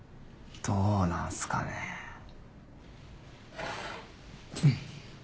どうなんすかねぇ？